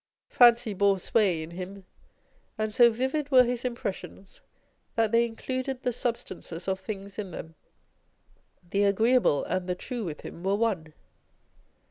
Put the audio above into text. Fancy bore sway in him ; and sp vivid were his impressions, that they included the substances of things in them. The agreeable and the true with him were one.